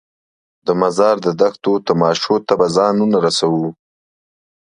د مزار د دښتو تماشو ته به ځانونه رسوو.